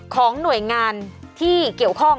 ของหน่วยงานที่เกี่ยวข้อง